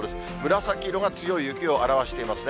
紫色が強い雪を表していますね。